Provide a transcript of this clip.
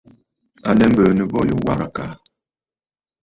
À lɛ biinə bo yu warə̀ àkàà.